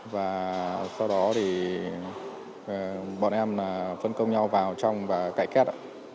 và sau đó thì bọn em phân công nhau vào trong và cải cách